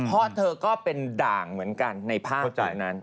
เพราะเธอก็เป็นด่างเหมือนกันในภาพจุดนั้น